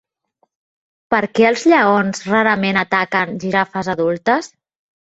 Per què els lleons rarament ataquen girafes adultes?